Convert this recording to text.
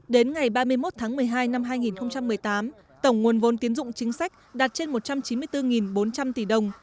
đến ngày ba mươi một tháng một mươi hai năm hai nghìn một mươi tám tổng nguồn vốn tiến dụng chính sách đạt trên một trăm chín mươi bốn bốn trăm linh tỷ đồng